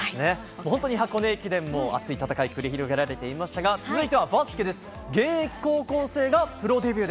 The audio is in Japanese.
本当に箱根駅伝も熱い戦い繰り広げられていましたが、続いてはバスケです。